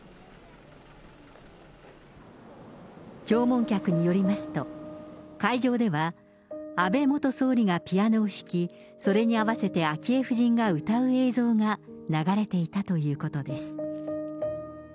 弔問客によりますと、会場では安倍元総理がピアノを弾き、それに合わせて昭恵夫人が歌う映像が流れていたということです。